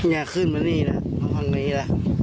อยากขึ้นมานี่นะดังนี้ล่ะ